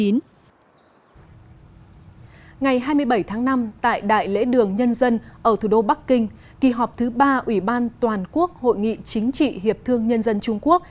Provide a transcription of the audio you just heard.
ngày hai mươi bảy tháng năm tại đại lễ đường nhân dân ở thủ đô bắc kinh kỳ họp thứ ba ủy ban toàn quốc hội nghị chính trị hiệp thương nhân dân trung quốc